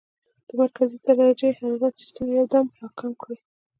د مرکزي درجه حرارت سسټم يو دم را کم کړي -